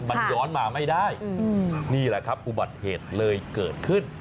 มันย้อนมาไม่ได้นี่แหละครับอุบัติเหตุเลยเกิดขึ้น